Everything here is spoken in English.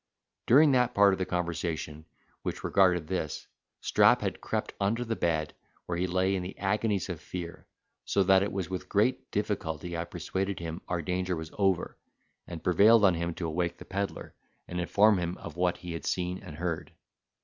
During that part of the conversation which regarded this, Strap had crept under the bed, where he lay in the agonies of fear; so that it was with great difficulty I persuaded him our danger was over, and prevailed on him to awake the pedlar, and inform him of what he had seen and heard.